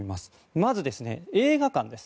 まず、映画館です。